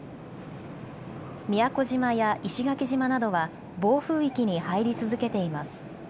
宮古島や石垣島などは暴風域に入り続けています。